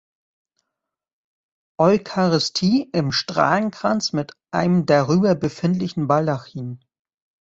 Eucharistie im Strahlenkranz mit einem darüber befindlichen Baldachin.